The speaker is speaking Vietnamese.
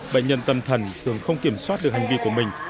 bệnh nhân tâm thần thường không kiểm soát được hành vi của mình